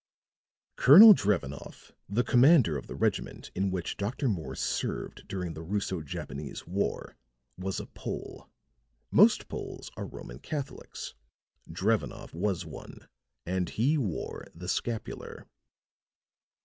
"Colonel Drevenoff, the commander of the regiment in which Dr. Morse served during the Russo Japanese war, was a Pole. Most Poles are Roman Catholics. Drevenoff was one, and he wore the scapular."